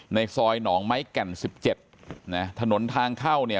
ในซอยหนองไม้แก่นสิบเจ็ดนะถนนทางเข้าเนี่ย